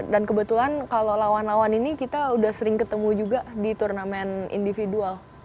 dan kebetulan kalau lawan lawan ini kita udah sering ketemu juga di turnamen individual